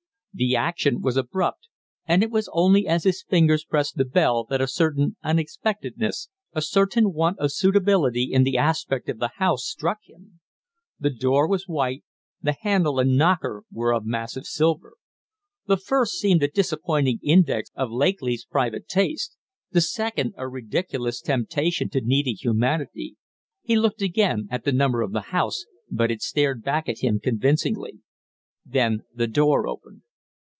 The action was abrupt, and it was only as his fingers pressed the bell that a certain unexpectedness, a certain want of suitability in the aspect of the house, struck him. The door was white, the handle and knocker were of massive silver. The first seemed a disappointing index of Lakely's private taste, the second a ridiculous temptation to needy humanity. He looked again at the number of the house, but it stared back at him convincingly. Then the door opened.